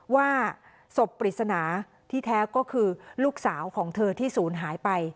ว่าศพปริศนาที่แท้ก็คือลูกสาวของเธอที่ศูนย์หายไป